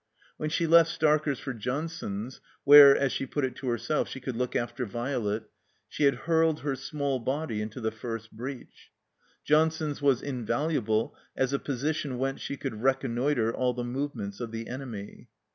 When she left Starker's for John son's (where, as she put it to herself, she covdd look after Violet), she had hurled her small body into the first breach. Johnson's was invaluable as a position whence she could reconnoiter all the movements of the enemy.